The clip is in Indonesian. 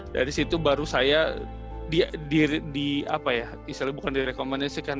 dari situ baru saya di apa ya misalnya bukan direkomendasikan